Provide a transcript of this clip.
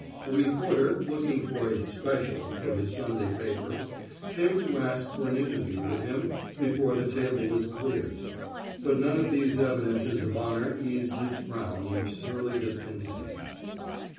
A re porter, looking for a special '* for his Sunday paper, came to ask for an interview with him before the table was cleared. But none of these evidences of honor eased his frown of surly discontent.